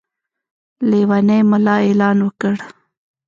لېونی ملا اعلان وکړ.